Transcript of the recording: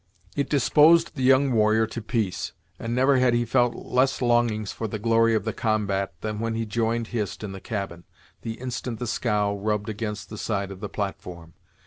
It disposed the young warrior to peace, and never had he felt less longings for the glory of the combat, than when he joined Hist in the cabin, the instant the scow rubbed against the side of the platform.